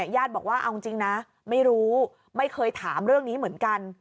ญาติบอกว่าเอาจริงนะไม่รู้ไม่เคยถามเรื่องนี้เหมือนกัน